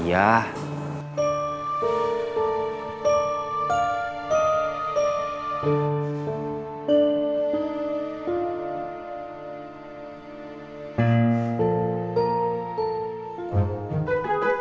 tidak kang gobang